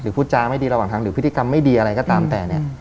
พูดจาไม่ดีระหว่างทางหรือพฤติกรรมไม่ดีอะไรก็ตามแต่เนี่ย